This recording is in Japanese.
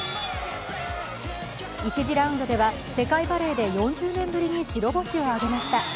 １次ラウンドでは世界バレーで４０年ぶりに白星を挙げました。